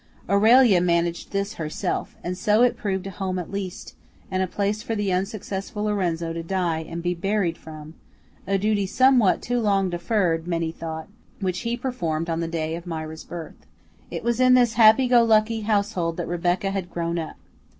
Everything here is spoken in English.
Aurelia managed this herself, and so it proved a home at least, and a place for the unsuccessful Lorenzo to die and to be buried from, a duty somewhat too long deferred, many thought, which he performed on the day of Mira's birth. It was in this happy go lucky household that Rebecca had grown up.